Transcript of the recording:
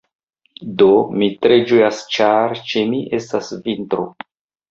Do, mi tre ĝojas ĉar ĉe mi estas vintro